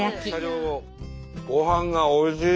ごはんがおいしい。